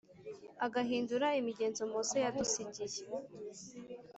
agahindura imigenzo Mose yadusigiye